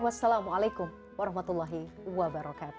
wassalamualaikum warahmatullahi wabarakatuh